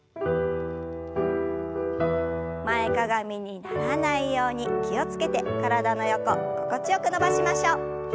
前かがみにならないように気を付けて体の横心地よく伸ばしましょう。